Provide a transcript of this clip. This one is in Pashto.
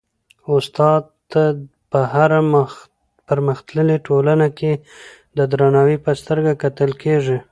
استاد ته په هره پرمختللي ټولنه کي د درناوي په سترګه کتل کيږي.